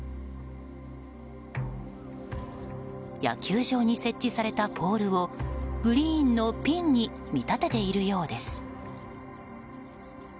野球場に設置されたポールをグリーンのピンに見立てているようです。